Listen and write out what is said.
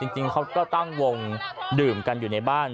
จริงเขาก็ตั้งวงดื่มกันอยู่ในบ้าน